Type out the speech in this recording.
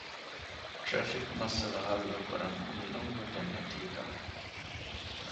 ޓްރެފިކް މައްސަލަ ހައްލުކުރަން މިނޫން ގޮތެއް ނެތީތަ؟